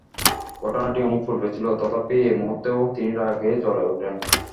ঘটনাটি অনেক পূর্বের ছিল, তথাপি এ মুহূর্তেও তিনি রাগে জ্বলে ওঠেন।